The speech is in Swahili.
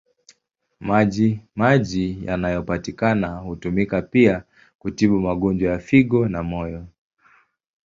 Maji maji yanayopatikana hutumika pia kutibu magonjwa ya figo na moyo.